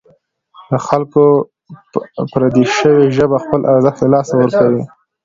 له خلکو پردۍ شوې ژبه خپل ارزښت له لاسه ورکوي.